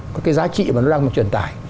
cái giá trị mà nó đang truyền tải